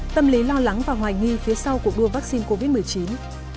tâm lý lo lắng và hoài nghi phía sau cuộc đua vaccine covid một mươi chín